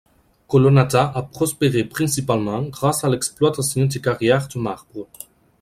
Colonnata a prospéré principalement grâce à l'exploitation des carrières de marbre.